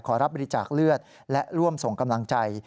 รับบริจาคเลือดและร่วมส่งกำลังใจ